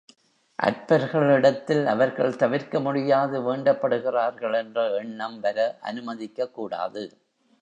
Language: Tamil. அற்பர்களிடத்தில் அவர்கள் தவிர்க்க முடியாது வேண்டப்படுகிறார்கள் என்ற எண்ணம் வர அனுமதிக்கக்கூடாது.